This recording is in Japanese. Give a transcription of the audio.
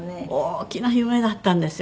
大きな夢だったんですよ。